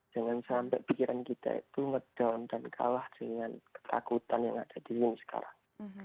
jangan sampai pikiran kita itu ngedown dan kalah dengan ketakutan yang ada di sini sekarang